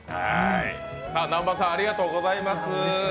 南波さん、ありがとうございます。